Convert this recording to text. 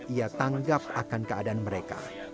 ia tanggap akan keadaan mereka